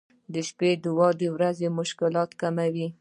• د شپې دعا د ورځې مشکلات کموي.